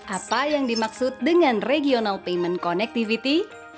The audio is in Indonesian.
apa yang dimaksud dengan regional payment connectivity